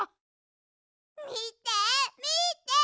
みてみて！